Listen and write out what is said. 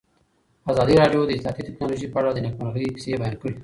ازادي راډیو د اطلاعاتی تکنالوژي په اړه د نېکمرغۍ کیسې بیان کړې.